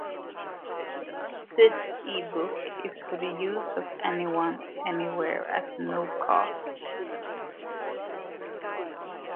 This eBook is for the use of anyone anywhere at no cost